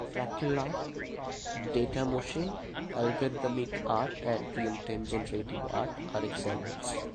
Fractal art, Datamoshing, algorithmic art and real-time generative art are examples.